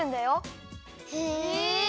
へえ！